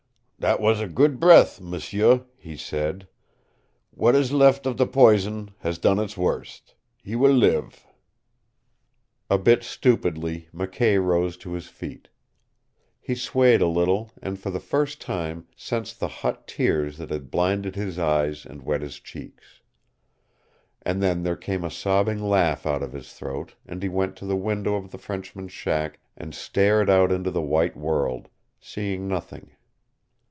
"That was a good breath, m'sieu," he said. "What is left of the poison has done its worst. He will live." A bit stupidly McKay rose to his feet. He swayed a little, and for the first time sensed the hot tears that had blinded his eyes and wet his cheeks. And then there came a sobbing laugh out of his throat and he went to the window of the Frenchman's shack and stared out into the white world, seeing nothing.